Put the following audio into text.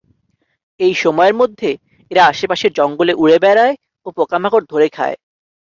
এই সময়ের মধ্যে এরা আশেপাশের জঙ্গলে উড়ে বেড়ায় ও পোকা-মাকড় ধরে খায়।